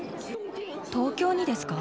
東京にですか？